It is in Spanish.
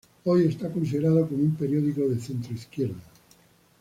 Hoy está considerado como un periódico de centro-izquierda.